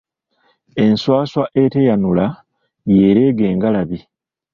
Enswaswa eteeyanula, y'ereega engalabi.